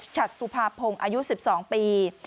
ชัดสุภาพงอายุ๑๒ปี